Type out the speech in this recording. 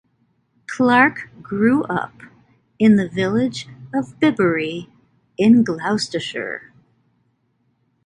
Clarke grew up in the village of Bibury in Gloucestershire.